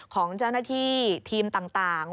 ของเจ้าหน้าที่ทีมต่าง